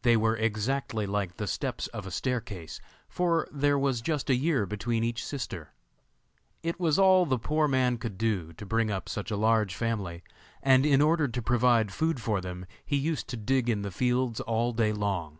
They were exactly like the steps of a staircase, for there was just a year between each sister. It was all the poor man could do to bring up such a large family, and in order to provide food for them he used to dig in the fields all day long.